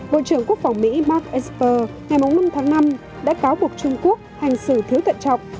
bộ trưởng quốc phòng mỹ mark esper ngày năm tháng năm đã cáo buộc trung quốc hành xử thiếu thận trọng